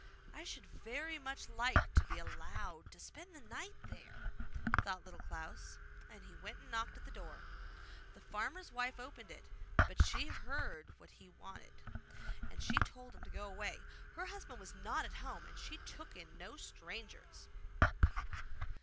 'I should very much like to be allowed to spend the night there,' thought Little Klaus; and he went and knocked at the door. The farmer's wife opened it, but when she heard what he wanted she told him to go away; her husband was not at home, and she took in no strangers.